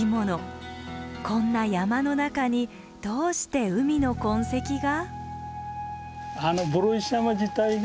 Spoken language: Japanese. こんな山の中にどうして海の痕跡が？